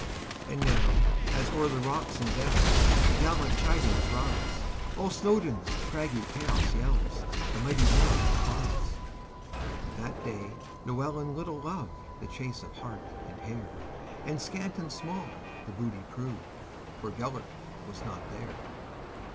And now, as o'er the rocks and dellsThe gallant chidings rise, All Snowdon's craggy chaos yellsThe many mingled cries! That day Llewelyn little lovedThe chase of hart and hare; And scant and small the booty proved, For Gêlert was not there.